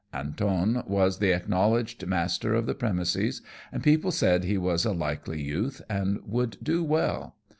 Antone was the acknowledged master of the premises, and people said he was a likely youth, and would do well.